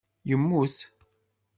Yemmut.